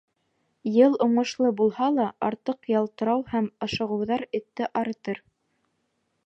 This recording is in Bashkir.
Йыл уңышлы булһа ла, артыҡ ялтырау һәм ашығыуҙар этте арытыр.